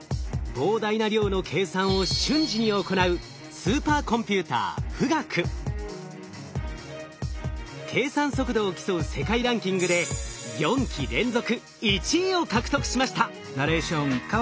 膨大な量の計算を瞬時に行う計算速度を競う世界ランキングで４期連続１位を獲得しました。